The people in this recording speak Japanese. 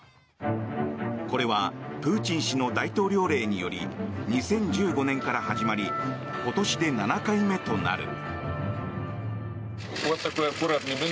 これはプーチン氏の大統領令により２０１５年から始まり今年で７回目となる。